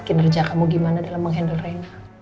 kinerja kamu gimana dalam menghandle range